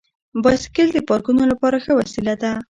بایسکل د پارکونو لپاره ښه وسیله ده.